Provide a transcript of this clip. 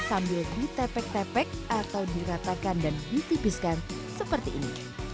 sambil ditepek tepek atau diratakan dan ditipiskan seperti ini